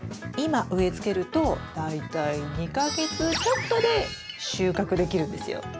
今植え付けると大体２か月ちょっとで収穫できるんですよ。